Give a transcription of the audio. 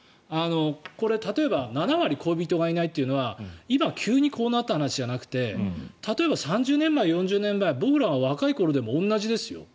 これ、例えば７割恋人がいないというのは今、急にこうなった話じゃなくて例えば３０年前、４０年前僕らが若い頃でも同じですよ。